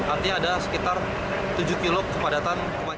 artinya ada sekitar tujuh km kepadatan